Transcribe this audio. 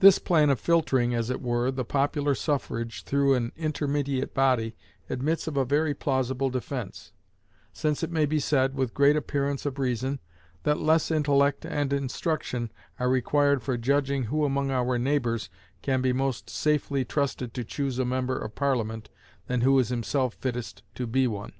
This plan of filtering, as it were, the popular suffrage through an intermediate body admits of a very plausible defense; since it may be said, with great appearance of reason, that less intellect and instruction are required for judging who among our neighbors can be most safely trusted to choose a member of Parliament than who is himself fittest to be one.